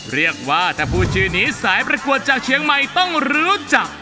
เรียกว่าถ้าพูดชื่อนี้สายประกวดจากเชียงใหม่ต้องรู้จัก